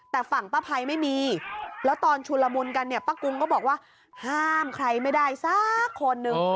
แต่ฝั่งป้าภัยไม่มีแล้วตอนชุนละมุนกันเนี่ยป้ากุ้งก็บอกว่าห้ามใครไม่ได้สักคนนึง